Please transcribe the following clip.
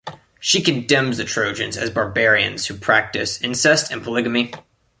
She condemns the Trojans as barbarians who practise incest and polygamy.